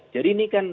jadi ini kan